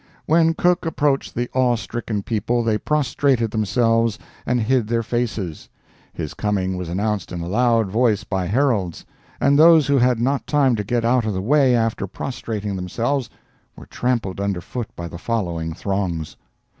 When Cook approached the awe stricken people, they prostrated themselves and hid their faces. His coming was announced in a loud voice by heralds, and those who had not time to get out of the way after prostrating themselves, were trampled underfoot by the following throngs.